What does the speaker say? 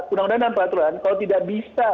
undang undang dan peraturan kalau tidak bisa